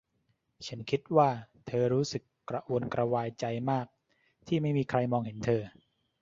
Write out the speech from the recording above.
ฉันคิดว่าเธอรู้สึกกระวนกระวายใจมากที่ไม่มีใครมองเห็นเธอ